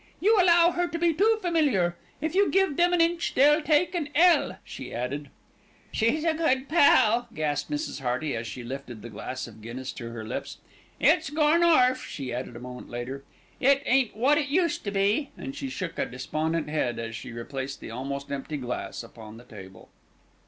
"You allow her to be too familiar. If you give them an inch, they'll take an ell," she added. "She's a good gal," gasped Mrs. Hearty, as she lifted the glass of Guinness to her lips. "It's gone orf," she added a moment later. "It ain't wot it used to be," and she shook a despondent head as she replaced the almost empty glass upon the table.